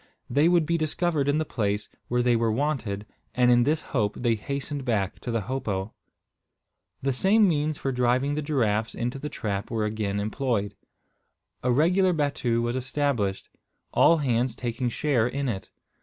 They would be discovered in the place where they were wanted; and in this hope they hastened back to the hopo. The same means for driving the giraffes into the trap were again employed. A regular battue was established, all hands taking share in it.